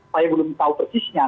saya belum tahu persisnya